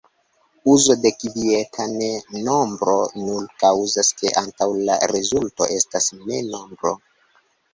Uzo de kvieta ne nombro nur kaŭzas ke ankaŭ la rezulto estas ne nombro.